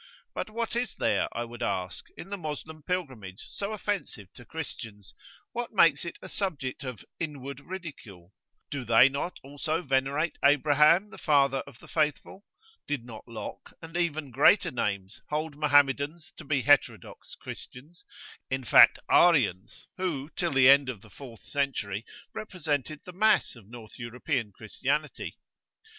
But what is there, I would ask, in the Moslem Pilgrimage so offensive to Christians what makes it a subject of "inward ridicule"? Do they not also venerate Abraham, the Father of the Faithful? Did not Locke, and even greater names, hold Mohammedans to be heterodox Christians, in fact Arians who, till the end of the fourth century, represented the mass of North European Christianity?